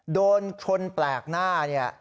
โดนคนแปลกหน้า